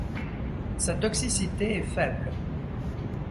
Sa toxicité est faible.